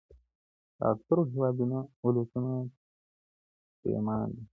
د اکثرو هيوادونو اولسونه پښيمان دي.